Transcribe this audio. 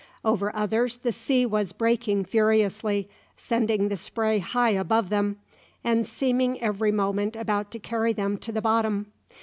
Over others the sea was breaking furiously, sending the spray high above them, and seeming every moment about to carry them to the bottom.